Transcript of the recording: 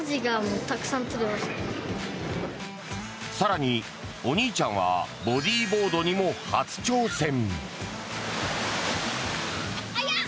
更に、お兄ちゃんはボディーボードにも初挑戦。